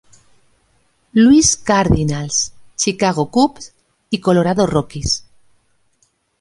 Louis Cardinals, Chicago Cubs y Colorado Rockies.